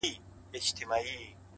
سپوږمۍ ترې وشرمېږي او الماس اړوي سترگي،